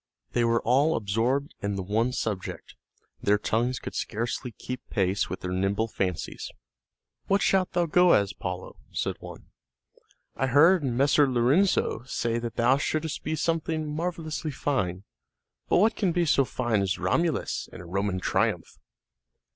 They were all absorbed in the one subject; their tongues could scarcely keep pace with their nimble fancies. "What shalt thou go as, Paolo?" said one. "I heard Messer Lorenzo say that thou shouldst be something marvelously fine; but what can be so fine as Romulus in a Roman triumph?"